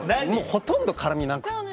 ほとんど絡みなくて。